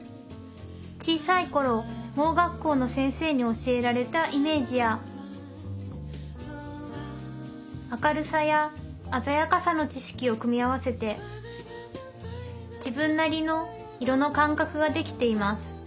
小さい頃盲学校の先生に教えられたイメージや明るさや鮮やかさの知識を組み合わせて自分なりの色の感覚ができています